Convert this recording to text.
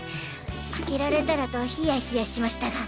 開けられたらとひやひやしましたが。